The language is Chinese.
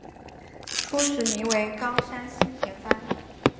初时名为冈山新田藩。